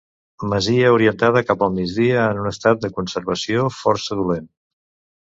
Masia orientada cap al migdia en un estat de conservació força dolent.